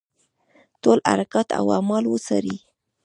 ټول حرکات او اعمال وڅاري.